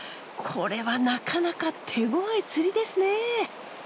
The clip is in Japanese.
これはなかなか手ごわい釣りですね。